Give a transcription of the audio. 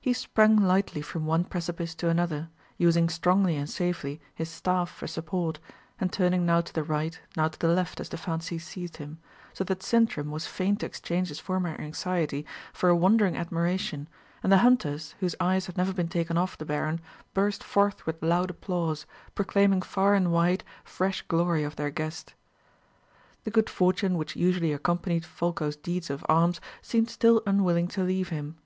He sprang lightly from one precipice to another, using strongly and safely his staff for support, and turning now to the right, now to the left, as the fancy seized him; so that Sintram was fain to exchange his former anxiety for a wondering admiration, and the hunters, whose eyes had never been taken off the baron, burst forth with loud applause, proclaiming far and wide fresh glory of their guest. The good fortune which usually accompanied Folko's deeds of arms seemed still unwilling to leave him.